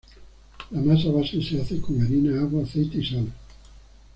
La masa base se hace con harina, agua, aceite y sal.